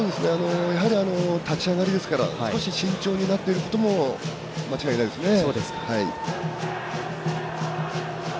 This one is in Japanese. やはり立ち上がりですから少し慎重になっていることも間違いないですね。